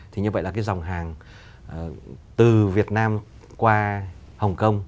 thì như vậy là cái dòng hàng từ việt nam qua hồng kông